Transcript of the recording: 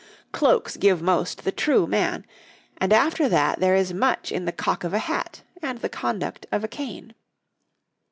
Cloaks give most the true man, and after that there is much in the cock of a hat and the conduct of a cane.